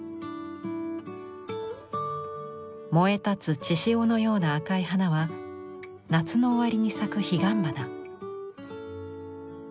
燃えたつ血潮のような赤い花は夏の終わりに咲く彼岸花。